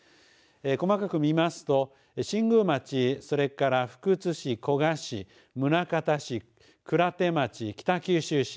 細かく見ますと新宮町それから福津市、古河市宗像市、鞍手町、北九州市